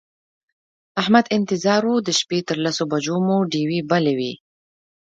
احمد ته انتظار و د شپې تر لسو بجو مو ډېوې بلې وې.